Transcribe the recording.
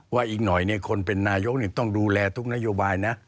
อีกหน่อยคนเป็นนายกต้องดูแลทุกนโยบายนะ